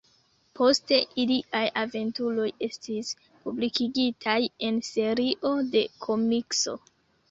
Poste iliaj aventuroj estis publikigitaj en serio de komikso.